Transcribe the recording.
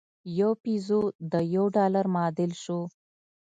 یو پیزو د یوه ډالر معادل شو.